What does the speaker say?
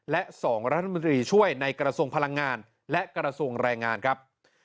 และ๒รัฐมนตรีช่วยในกระทรวงพลังงานและกระทรวงแรงงานครับ